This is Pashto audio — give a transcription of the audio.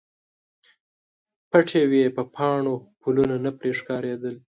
پټې وې په پاڼو، پلونه نه پرې ښکاریدل